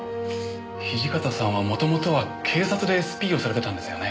土方さんはもともとは警察でＳＰをされてたんですよね？